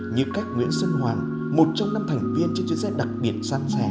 như các nguyễn xuân hoàng một trong năm thành viên trên chuyến xe đặc biệt xanh xẻ